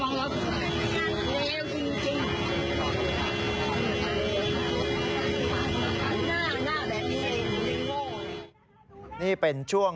มันก็เลี่ยวส่วน